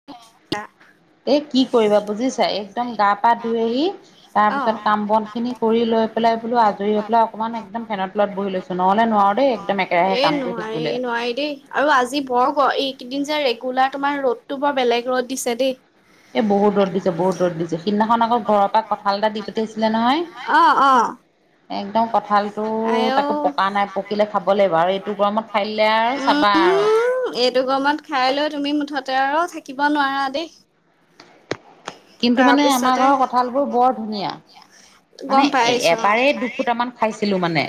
[inaudible] এ কি কৰিবা বুজিছা, একদম গা-পা ধুই আহি, তাৰ পিছত অ' কাম-বনখিনি কৰি লৈ পেলাই, বোলো আজৰি হৈ পেলাই অকণমান একদম ফেনৰ তলত বহি লৈছোঁ। নহ'লে নোৱাৰো দেই একদম একেৰাহে এহ কাম কৰি নোৱাৰি, থাকিবলৈ। নোৱাৰি দেই। আৰু আজি বৰ গৰম এইকেইদিন যে ৰেগুলাৰ তোমাৰ ৰ'দটো বৰ বেলেগ ৰ'দ দিছে দেই। এহ বহুত ৰ'দ দিছে, বহুত ৰ'দ দিছে। সিদিনাখন আকৌ ঘৰৰ পৰা কঁঠাল এটা দি পঠিয়াইছিলে নহয়। অ', অ'। একদম কঁঠালটো আইঔ তাকো পকা নাই, পকিলে খাব লাগিব আৰু এইটো গৰমত খাই দিলে আৰু চাবা আৰু। উম এইটো গৰমত খাই লৈ তুমি মুঠতে আৰু থাকিব নোৱাৰা দেই। কিন্তু মানে আমাৰ তাৰপিছতে ঘৰৰ কঁঠালবোৰ বৰ ধুনীয়া। মানে গম এ পাইছো অ' এবাৰেই দুফুটামান খাইছিলো মানে,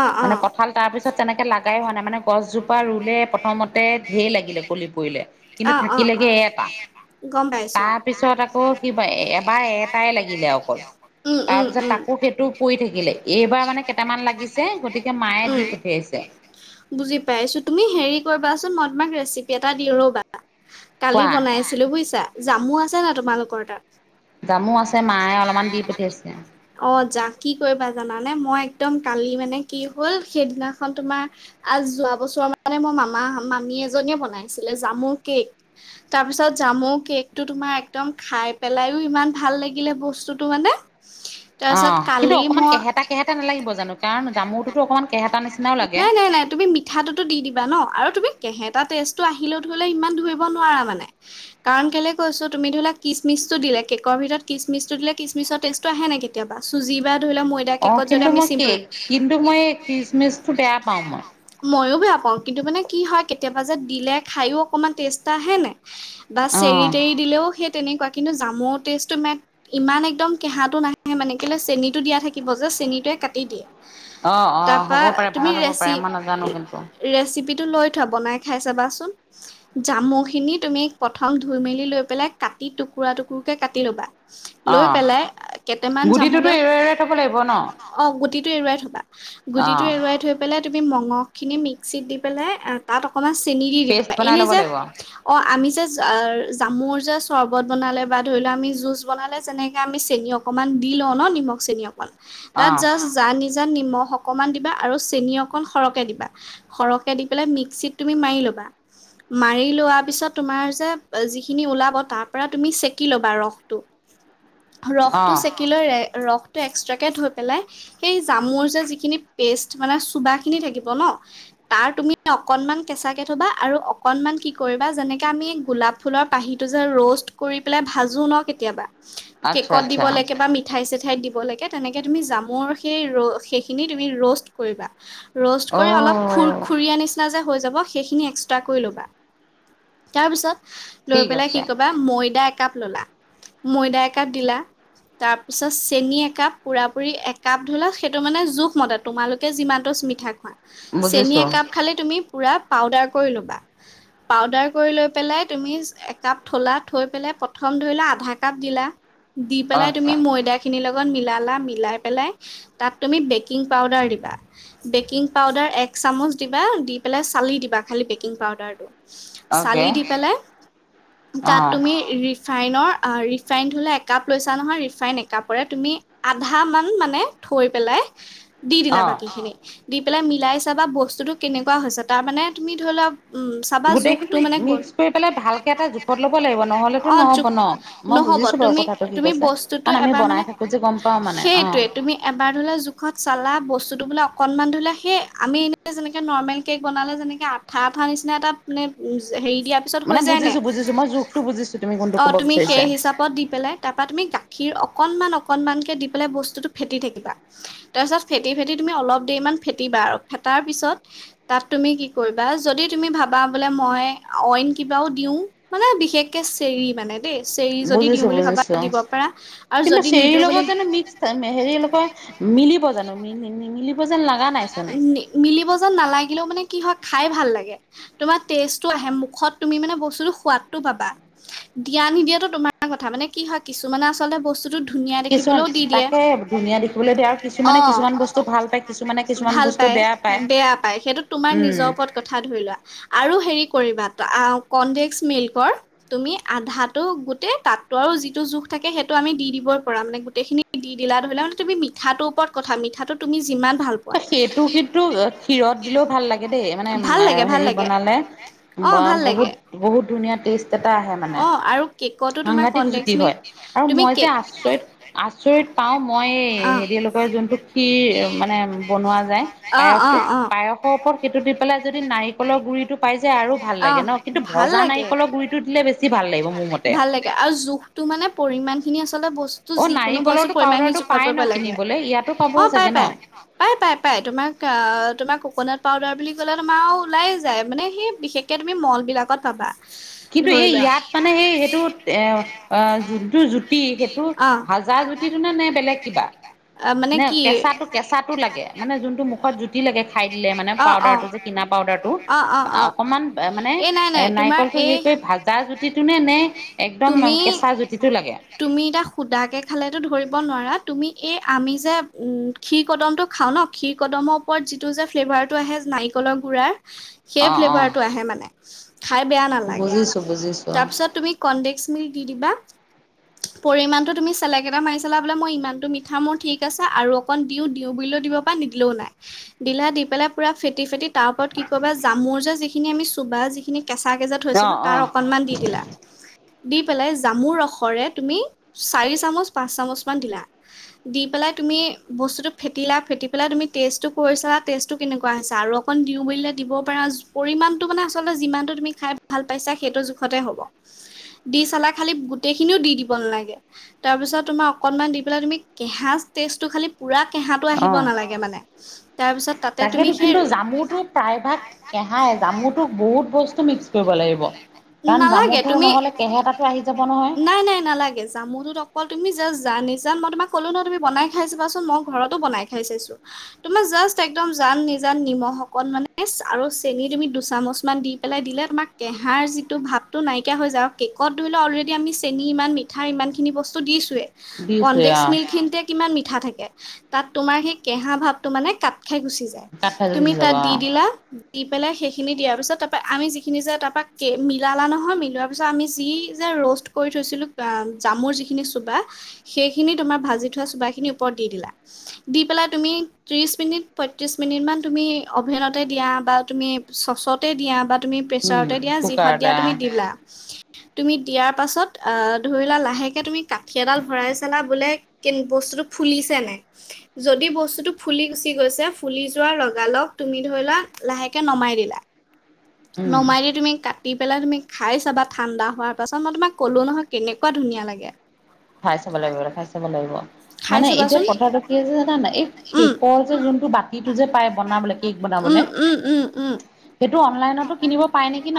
অ' মানে অ' কঁঠাল তাৰ পিছত তেনেকে লাগাই হোৱা নাই মানে গছজোপা ৰুলে প্ৰথমতে ঢেৰ লাগিলে কলি পৰিলে কিন্তু অ' অ' অ' থাকিলেগে অ' এটা। গম পাইছোঁ, অ। ক কিবা এবাৰ এটাই লাগিলে অকল। উম উম তাৰপিছত উম। তাকো সেইটো পৰি থাকিলে। এইবাৰ মানে কেইটামান লাগিছে গতিকে মায়ে উম দি পঠিয়াইছে। বুজি পাইছোঁ। তুমি হেৰি কৰিবাচোন, মই তোমাক ৰেচিপি এটা দিওঁ ৰ'বা। কালি কোৱা বনাইছিলোঁ বুজিছা, জামু আছে নে নাই তোমালোকৰ তাত? জামু আছে, মায়ে অলপমান দি পঠিয়াইছে। অ', জা কি কৰিবা জানানে? মই একদম কালি মানে কি হ'ল সেইদিনাখন তোমাৰ আজ যোৱা বছৰ মানে মোৰ মামা- মামী এজনীয়ে বনাইছিলে জামুৰ কেক। তাৰ পিছত জামু কেকটো তোমাৰ একদম খাই পেলাইও ইমান ভাল লাগিলে বস্তুটো মানে। অ তাৰপিছত কিন্তু কালি অকমান মই কেহেতা কেহেতা নালাগিব জানো কাৰণ জামুটোতো অকণমান কেহেতা নিচিনাও লাগে। ঠাটোতো দি দিবা ন আৰু তুমি কেহেটা টেষ্টটো আহিলেও ধৰিলে ইমান ধৰিব নোৱাৰা মানে। কাৰণ কেলে কৈছো তুমি ধৰি লোৱা কিচমিচটো দিলে, কেকৰ ভিতৰত কিচমিচটো দিলে কিচমিচৰ টেষ্টটো আহে নে কেতিয়াব চুজি বা ধৰি লও ম দিয়া অ কেকত যদি কিন্তু আমি মই কি চিম্পুল কিন্তু মই এই খিচমিচটো বেয়া পাওঁ মই [unintelligible] ময়ো বেয়া পাওঁ কিন্তু মানে কি হয় কেতিয়াবা যে দিলে খাইয়ো অকণমান টেষ্ট আহে নে বা চেৰি অ তেৰি দিলেও সেই তেনেকুৱা কিন্তু জামু টেষ্টটো মে ইমান একদম কেহাটো নাহে মানে কেলৈ চেনীটো দিয়া থাকিব যে চেনীটোৱে কাটি দিয়ে। অ', অ', তাৰপা হ'ব পাৰে তুমি ভাল হ'ব পাৰে ৰেচি মই নাজানো কিন্তু ৰেচিপিটো লৈ থোৱা, বনাই খাই চাবাচোন। জামুখিনি তুমি প্ৰথম ধুই মেলি লৈ পেলাই কাটি টুকুৰা টুকুৰকে কাটি ল'বা। লৈ অ', পেলাই কেইটামান গুটিটোতো জামোলৈ এৰুৱাই এৰুৱাই থ'ব লাগিব ন? অ গুটিটো এৰুৱাই থবা, গুটিটো অ', এৰুৱাই থৈ পেলাই তুমি মঙহখিনি মিক্সিত দি পেলাই এ তাত অকমান চেনি দি পেষ্ট দিবা বনাই এনে ল'ব যে লাগিব অ আমি যে জাৰ জামুৰ জা চৰ্বত বনালে বা ধৰি লও আমি জুচ বনালে যেনেকে আমি চেনি অকণমান দি লওঁ ন নিমখ, চেনি অকণমান। তাত অ', যাষ্ট যা নিজা নিমখ অকনমান দিবা আৰু চেনি অকন সৰহকে দিবা। সৰহকে দি পেলাই মিক্সিত তুমি মাৰি লবা। মাৰি লোৱা পিছত তোমাৰ যে এ যিখিনি ওলা ব তাৰ পৰা তুমি সেকি লবা ৰসটো, ৰসটো অ', সে কি লৈ ৰসটো এক্সট্ৰাকে ধৈ পেলাই সেই জামুৰ যে যিখিনি পেষ্ট মানে চুবাখিনি থাকিব ন তাৰ তুমি অকনমান কেঁচাকে থবা আৰু অকনমান কি কৰিবা যেনেকে আমি গোলাপ ফুলৰ পাহি টো যে ৰষ্ট কৰি পেলাই ভাজো ন কেতিয়াবা, আচ্ছা কেকত আচ্ছা দিবলেকে বা মিক ঠাই চিঠাই দিব লাগে তেনেকে তুমি জামুৰ সেই ৰ সেইখিনি তুমি ৰ'ষ্ট কৰিবা। ৰ'ষ্ট কৰি অলপ খুৰ অ', খুৰীয়া নিচিনা যে হৈ যাব সেইখিনি এক্সট্ৰা কৰি ল'বা তাৰপিছত লৈ ঠিক পেলাই কি আছে কবা, ময়দা একাপ ললা, ময়দা একাপ দিলা তাৰপিছত চেনি একাপ পুৰা পুৰি একাপ ধলা সেইটো মানে জোখ মদাত তোমালোকে যিমানটোচ মিঠা খোৱা, চেনী বুজিছো একাপ খালে তুমি পুৰা পাউদাৰ কৰি ল'বা, পাউদাৰ কৰি লৈ পেলাই তুমি একাপ থ'লা, থৈ পেলাই প্ৰথম ধৰি ল' আধা কাপ দিলা, দি পেলাই আচ্ছা তুমি ময়ডা খিনিৰ লগত মিলালা মিলাই পেলাই তাত তুমি বেকিং পাউদাৰ দিবা। বেকিং পাউদাৰ এক চামুচ দিবা দি পেলাই চালি দিবা খালি বেকিং পাউদাৰটো। অ'কে চালি দি পেলাই তাত অ', তুমি ৰিফাইনৰ ৰিফাইন ধৰিলা একাপ লৈছা নহয় ৰিফাইন একাপৰে তুমি আধা মান মানে থৈ পেলাই দি দিলা অ', বাকীখিনি দি পেলাই মিলাই চাাবা বস্তুটো কেনেকুৱা হৈছে, তাৰ মানে তুমি ধৰি লোৱা উম, চাবা গোটেইখিনি জোখটো মানে মিক্স ক'ত কৰি পেলাই ভালকে এটা জোখত ল'ব লাগিব নহ'লেতো অ নহ'ব জোখ ন' মই নহ'ব বুজিছো বাৰু তুমি কথাটো তুমি কৈছা। বস্তুটো কাৰণ আমি এবাৰ মানে বনাই থাকো যে গ'ম পাও মানে অ'। সেইটোৱে তুমি এবাৰ ধৰিলোৱাৱা জোখত চালা বস্তুটো বোলে অকণমান ধৰি লোৱা সেই আমি এনে যেনেকৈ নৰ্মেল কেক বনালে যেনেকৈ আঠা আঠা নিচিনা এটা মানে উ, হেৰি দিয়াৰ পিছত মানে হৈ যায় নাই বুজিছো বুজিছো মই জখটো বুজিছো তুমি কোনটো অ ক'ব তুমি বিচাৰিছা। সেই হিচাপত দি পেলাই তাৰ পৰা তুমি গাখীৰ অকনমান অকনমান কে দি পেলাই বস্তুটো ফেটি থাকিবা। তাৰ পিছত ফেটি ফেটি তুমি অলপ দেৰি মান ফেটিবা আৰু ফেটাৰ পিছত তাত তুমি কি কৰিবা, যদি তুমি ভাবা বোলে মই অইন কিবাও দিও মানে বিশেষকে চেৰি মানে চেৰি যদি দিও বুজিছো বুলি ভাবা বুজিছো দিব পাৰা আৰু কিন্তু যদি চেৰিৰ নিদিও লগত বুলি জানো মিক্স হেৰি [unintelligible] মিলিব জানো মিলিব যেন লগা নাইচোন। মিলিব যেন নালাগিলেও মানে কি হয় খাই ভাল লাগে। তোমাৰ টেষ্টটো আহে মুখত তুমি মানে বস্তুটো সোৱাদটো পাবা। দিয়া নিদিয়াতো তোমাৰ কথা, মানে কি হয় কিছুমানে আচলতে বস্তু টো ধুনীয়া কিছুমান দেখিবলৈও দি দিয়ে তাকে ধুনীয়া দেখিবলৈ দিয়ে আৰু কিছুমানে অ', কিছুমান বস্তু ভাল পাই। ভাল পায় বেয়া পায় সেইটো তোমাৰ উম নিজৰ ওপৰত কথা ধৰি লোৱা আৰু হেৰি কৰিবা কনডেক্স মিল্কৰ তুমি আধাটো গোটেই তাতটো আৰু যিটো জোখ থাকে সেইটো আমি দি দিবই পৰা মানে গোটেইখিনি দি দিলা ধৰি লোৱা মানে তুমি মিঠাটোৰ ওপৰত কথা মিঠাটো তুমি যিমান ভাল পোৱা, সেইটো কিন্তু ক্ষীৰত দিলেও ভাল লাগে দেই মানে ভাল লাগে, ভাল হেৰি লাগে, বনালে। অ', বা ভাল লাগে, বহুত বহুত ধুনীয়া টেষ্ট এটা আহে মানে। অ', আৰু কেকতো তোমাৰ সাংঘাতিক কনডেক্স জুতি হয় মিল্ক আৰু তুমি মই যে কেক আচৰিত আচৰিত পাওঁ মই এই অ', হেৰি যোনটো ক্ষীৰ মানে বনোৱা যায়। অ', পায়সটো অ', অ'। পায়সৰ ওপৰত সেইটো দি পেলাই যদি নাৰিকলৰ গুৰিটো পাই যায় আৰু ভাল লাগে অ', ন' কিন্তু ভাল ভজা লাগে, নাৰিকলৰ গু়ৰিটো দিলে বেছি ভাল লাগিব মোৰ মতে। ভাল লাগে আৰু জোখটো মানে পৰিমমান খিনি আচলতে বস্তু টো অ যিকোনো বস্তু নাৰিকলৰটো পৰিমান খিনি পাউদাৰটো জোখত পাই ন পৰিব লাগে, কিনিবলৈ ইয়াতো পাব অ', পাই চাগে পাই। [inaudible] পায় তোমাক তোমাক ক'কোনাট পাউদাৰ বুলি ক'লে ওলাই যায় মানে সেই বিশেষ কে তুমি ম'ল বিলাকত পাবা। কিন্তু ধৰি এই লোৱা ইয়াত মানে সেই সেইটো এ যোনটো জুতি সেইটো অ ভাজা জুতিটো নে বেলেগ কিবা অ, মানে নে, কি কেঁচাটো কেঁচা লাগে, মানে যোনটো মুখত জুতি লাগে খাই দিলে মানে অ অ পাউদাৰটো যে কিনা পাউদাৰ টো? অ অ অ অকমান মানে এই নাই এ নাই তোমাৰ নাৰিকল এই সেই ভাজা জুতিটো নে, নে একদম তুমি কেঁচা জুতিটো লাগে? তুমি এতিয়া সুদাকৈ খালেতো ধৰিব নোৱাৰা, তুমি এই আমি যে- ক্ষীৰ কদমটো খাওঁ ন, ক্ষীৰ কদমৰ ওপৰত যিটো যে ফ্লেভাৰটো আহে নাৰিকলৰ গুড়া- অ সেই অ ফ্লেভাৰটো আহে মানে খাই বেয়া নালাগে। বুজিছো বুজিছো অ তাৰপিছত তুমি- কনডেক্স মিল্ক দি দিবা। পৰিমাণটো তুমি চেলেক এটা মাৰি চালা বোলে মই ইমানটো মিঠা মোৰ ঠিক আছে আৰু- অকন দিওঁ, দিওঁ বুলিও দিব পাৰে নিদিলেও নাই। দিলা, দি পেলাই পুৰা ফেটি ফেটি তাৰ ওপৰত কি কবা জামুৰ যিখিনি আমি চুবা যিখিনি- কেঁচাকে যে থৈছিলোঁ অ অ তাৰ অকণমান দি দিলা। দি পেলাই জামুৰ ৰসৰে তুমি চাৰি চামুচ, পাঁচ চামুচমান দিলা। দি পেলাই তুমি- বস্তুটো ফেটিলা, ফেটি পেলাই তুমি টেষ্টটো কৰিছালা, টেষ্টটো কেনেকুৱা হৈছে? আৰু অকণ দিওঁ বুলিলে দিব পাৰা। পৰিমাণটো মানে আচলতে যিমানটো তুমি খাই ভাল পাইছা সেইটো জোখতে হ'ব। দি চালা, খালি গোটেই খিনিও দি দিব নালাগে। তাৰপিছত তোমাৰ অকনমান দি পেলাই তুমি কে হাজ টেষ্টটো খালি- পূৰা কেঁহাটো অ আহিব নালাগে মানে। তাৰপিছত তাতে তুমি সেই- এভাগ কেহাই, জামুটোক বহুত বস্তু মিক্স কৰিব লাগিব। কাৰণ নালাগে জামুতো তুমি নহলে কেহেতাটো আহি যাব নহয়। জামুটো অকল তুমি জাষ্ট জা নিজে, মই তোক কলো ন তুমি বনাই খাইছ- মই ঘৰতো বনাই খাই চাইছোঁ। তোমাৰ জাষ্ট একদম জান নিজান নিমখ অকনমানি আৰু চেনি তুমি দুচামুচমান দি- পেলাই দিলে তোমাৰ কেঁহাৰ যিটো ভাৱটো নাইকিয়া হৈ যায় আৰু কেকত ধৰি ল অলৰেডি আমি চেনি ইমান - মিঠা ইমান খিনি বস্তু দিছো এ, দিছোৱে কনডেক্স অ মিল্ক খিনতে কিমান মিঠা থাকে! তাত তোমাৰ সেই কেঁহা ভাৱটো মানে কাট খাই গুচি যায়। কাট খাই তুমি গুচি যাব তাত অ দি দিলা- দি পেলাই সেইখিনি দিয়াৰ পিছত তাৰপৰা আমি যিখিনি যে তাৰপৰা কেক মিলালা নহয়, মিলোৱাৰ পিছত আমি যি যে ৰ'ষ্ট- কৰি থৈছিলো জা জামুৰ যিখিনি চোবা, সেইখিনি তোমাৰ ভাজি থোৱা চুবা খিনি- ওপৰত দি দিলা। দি পেলাই তুমি ত্ৰিছ মিনিট, পঁয়ত্ৰিছ মিনিটমান তুমি অ'ভেনতে দিয়া বা তুমি- চচতে দিয়া বা তুমি উম প্ৰেছাৰতে দিয়া, যিহঁত দিয়া কুকাৰতে তুমি দিলা। তুমি দিয়াৰ পাছত আহ ধৰি লোৱা লাহেকে তুমি কাঠি এডাল ভৰাই চালা বোলে- কি বস্তুটো ফুলিছে নে নাই? যদি বস্তুটো ফুলি গুচি গৈছে, ফুলি যোৱা লগালগ তুমি ধৰি লোৱা লাহেকে নমাই দিলা। উম নমাই দি তুমি কা- কাটি পেলাই তুমি খাই চাবা ঠাণ্ডা হোৱাৰ পাছত, মই তোমাক ক'লোঁ নহয় কেনেকুৱা ধুনীয়া লাগে! খাই চাব লাগিব, খাই চাব লাগিব। খাই মানে এতিয়া চাবাচোন কথাটো কি হৈছে, জানা নাই? উম, কেকৰ যে যোনটো বাতিটো যে পায় বনাবলে, কেক বনাবলে। উম, উম, উম, উম। সেইটো অনলাইনতো কিনিব পাই নেকি ন?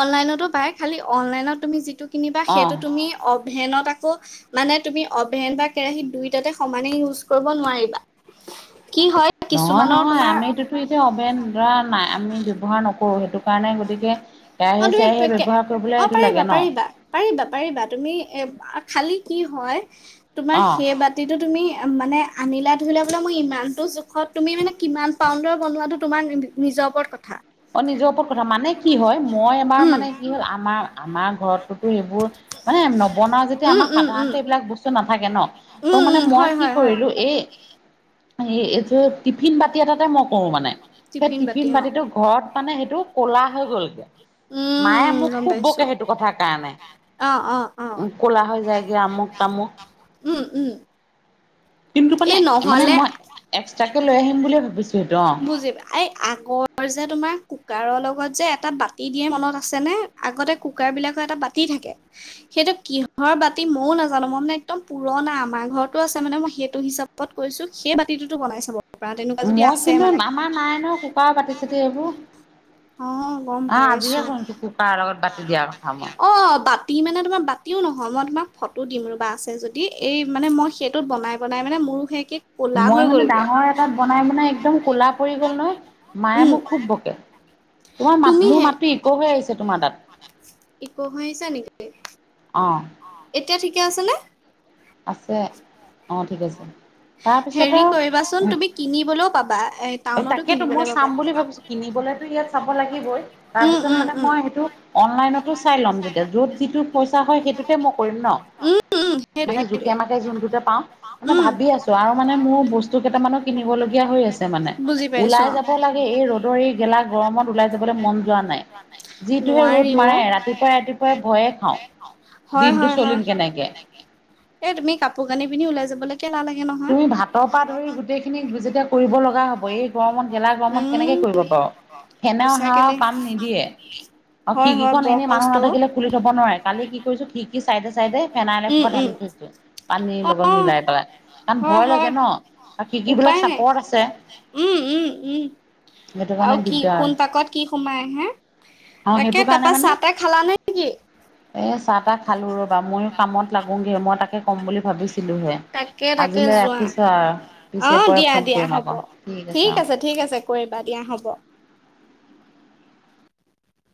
অনলাইনতো পাই খালি অনলাইনত তুমি যিটো কিনিবা, অ সেইটো তুমি- অভেনত আকৌ- মানে তুমি অভেন বা কেৰাহী দুইটাতে সমানে ইউজ কৰিব নোৱাৰিবা। কি হয়? নহয়- কিছুমানৰ নহয়, তোমাৰ আমিতোতো এতিয়া অভেন ধৰা নাই আমি ব্যৱহাৰ নকৰো। সেইটো- কাৰণে গতিকে অ কেৰাহী তুমি -চেৰাহী পেকে ব্যৱহাৰ কৰিবলে অ সেইটো পাৰিবা লাগে ন। পাৰিবা পাৰিবা, পাৰিবা। তুমি এ খালি কি হয়? তোমাৰ অ সেইবাট- বাতিটো তুমি মানে আনিলা। ধৰি লোৱা বোলে মোৰ ইমানটো জোখত তুমি মানে কিমান- পাউণ্ডাৰ বনোৱাটো, তোমাৰ নিজৰ ওপৰত কথা। অ' নিজৰ ওপৰত কথা মানে কি হয় মই এবাৰ উম মানে কি হ'ল আমাৰ আমাৰ ঘৰততো সেইবোৰ মানে নবনাওঁ যেতিয়া উম আমাৰ উম উম সাধাৰণতে এইবিলাক বস্তু নাথাকে ন। উম অ' মানে উম মই হয় কি হয় হয় কৰিলোঁ এই এই এইটো টিফিন বাতি এটাতে মই কৰোঁ মানে সেই টিফিন বাতি অ বাতিটো ঘৰত মানে সেইটো ক'লা হৈ গ'লগে। মাইয়ে উম মোক গম খুব পাইছো বকে সেইটো কথাৰ কাৰণে। অ' অ' অ' ক'লা হৈ যায়গৈ আমুক তামুক উম, উম। কিন্তু মানে এই মানে নহলে মই এক্সট্ৰাকে লৈ আহিম বুলিয়ে ভাবিছোঁ এইটো অ'। এই আগৰ যে তোমাৰ কুকাৰৰ লগত যে এটা বাতি দিয়ে মনত আছে নে? আগতে কুকাৰ বিলাকত এটা বাতি থাকে। সেইটো কিহৰ বাতি মইও নাজানোঁ। মই মানে একদম পুৰনা আমাৰ ঘৰতো আছে, মানে মই সেইটো হিচাপত কৈছোঁ। সেই বাতিটোত বনাই চাব পাৰা তেনেকুৱা যদি মই আছে কিন্তু, মানে আমাৰ নাই ন কুকাৰৰ বাতি চাতি এইবোৰ অ' গ'ম অ' আজিহে পাইছো শুনিছোঁ কুকাৰৰ লগত বাতি দিয়া কথা মই। অ' বাতি মানে তোমাৰ বাতিও নহয়। মই তোমাক ফটো দিম ৰ'বা আছে যদি এই মানে মই সেই টোত বনাই বনাই মানে মোৰো সেই একেই মই মানে ডাঙৰ এটাত বনাই বনাই একদম ক'লা পৰি গ'ল নহয়। মাইয়ে উম মোক খুব বকে। তোমাৰ মাত মোৰ মাতটো ইকো হৈ আহিছে তোমাৰ তাত। ইকো হৈ আহিছে নেকি? অ' অ' এতিয়া ঠিকে আছেনে? আছে। অ' ঠিক আছে। তাৰপিছত হেৰি কৰিবাচোন, তুমি কিনিবলৈও পাবা এ আৰু টাউনতো তাকেতো মই কিনিবলৈ চাম পাবা। বুলি ভাবিছোঁ কিনিবলৈ টো ইয়াত চাব লাগিবই। উম তাৰপিছত উম মানে উম মই সেইটো অনলাইনটো চাই ল'ম। যেতিয়া য'ত যিটো পইচা হয়। সেইটোতে মই কৰিম ন। উম, উম, সেইটোৱে হেইটো জোখে মাখে যোনটোতে পাওঁ। মানে ভাবি আছোঁ আৰু মানে মোৰ বস্তু কেইটামানো কিনিবলগীয়া হৈ আছে মানে বুজি পাইছো ওলাই অ যাব লাগে। এই ৰ'দৰ এই গেলা গৰমত ওলাই যাবলৈ মন যোৱা নাই। যিটোহে ৰ'দ নোৱাৰি অ মাৰে ৰাতিপুৱাই ৰাতিপুৱাই ভয়ে খাওঁ। হয় দিনটো হয় হয় চলিম কেনেকে? এই তুমি কাপোৰ কানি পিন্ধি ওলাই যাবলে তুমি ভাতৰ পৰা ধৰি গোটেই খিনি যেতিয়া কৰিব লগা হ'ব। এই গৰমত গেলা গৰমত কেনেকে উম কৰিব অ' ফেনও সঁচাকে হাওঁৰে দেই পাণ নিদিয়ে আৰু হয় হয় খিকিখন বৰ এনে মানুহ কষ্ট অ নাথাকিলে খুলি থ'ব নোৱাৰে। কালি কি কৰিছোঁ ঠিক সি চাইডে চাইডে ফেনাইল উম এখোপা উম ঢালি থৈ দিছে। পানীৰ অ লগত মিলাই পেলাই। কাৰণ হয়, ভয় লাগে হয়। ন আৰু খিৰিকী বিলাক উপায় নাই চাপৰত আছে উম, উম, উম। সেইটো কাৰণে আৰু কি দিগদাৰ কোন পাকত কি সোমাই আহে। অ সেইটো তাকে তাৰপা চাহ টা খালা নে নেকি? এই চাহ তাহ খালোঁ ৰ'বা। মইয়ো কামত লাগো গে মই তাকে ক'ম বুলি ভাবিছিলোঁহে। তাকে তাকে আজিলৈ যোৱা ৰাখিছোঁ আৰু অ পিছে পৰে দিয়া ফোন দিয়া কৰিম হ'ব আকৌ ঠিক আছে অ'। ঠিক আছে, কৰিবা দিয়া হ'ব।